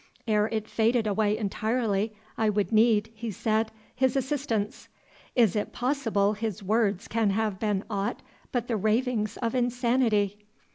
Ere it faded away entirely, I would need, he said, his assistance: is it possible his words can have been aught but the ravings of insanity?"